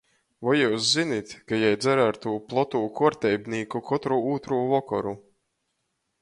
Voi jius zinit, ka jei dzer ar tū plotū kuorteibnīku kotru ūtrū vokoru?